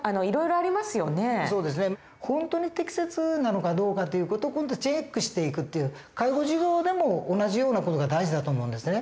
本当に適切なのかどうかっていう事をチェックしていくっていう介護事業でも同じような事が大事だと思うんですね。